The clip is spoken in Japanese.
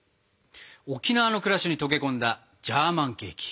沖縄の暮らしに溶け込んだジャーマンケーキ。